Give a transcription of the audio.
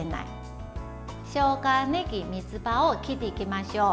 しょうが、ねぎ、みつばを切っていきましょう。